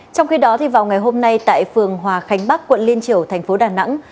trong khi đó vào ngày hôm nay tại phường hòa khánh bắc quận liên triều thành phố đà nẵng